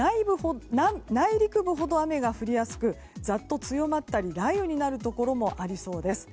内陸部ほど雨が降りやすくざっと強まったり、雷雨になるところもありそうです。